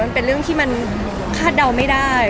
มันเป็นเรื่องที่มันคาดเดาไม่ได้